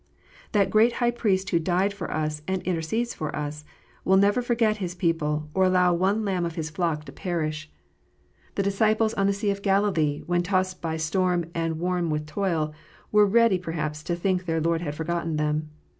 That great High Priest who died for us and intercedes for us, will never forget His people, or allow one lamb of His flock to 256 KNOTS UNTIED. perish. The disciples on the sea of Galilee, when tossed by storm and worn with toil, were ready perhaps to think their Lord had forgotten them.